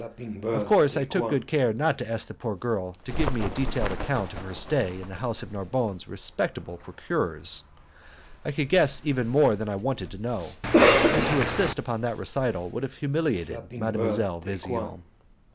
Of course, I took good care not to ask the poor girl to give me a detailed account of her stay in the house of Narbonne's respectable procuress; I could guess even more than I wanted to know, and to insist upon that recital would have humiliated Mdlle. Vesian.